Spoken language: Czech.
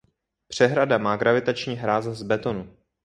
Přehrada má gravitační hráz z betonu.